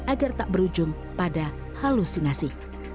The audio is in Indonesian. agar tak berujung pada halusinasi